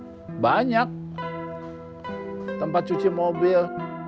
ada banyak tempat cuci mobil